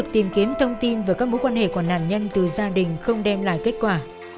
tìm kiếm thông tin về các mối quan hệ của nạn nhân từ gia đình không đem lại kết quả